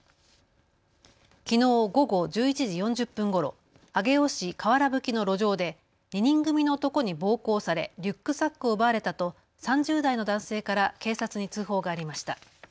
きのう午後１１時４０分ごろ、上尾市瓦葺の路上で２人組の男に暴行されリュックサックを奪われたと３０代の男性から警察に通報がありました。